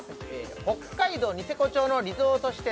北海道ニセコ町のリゾート施設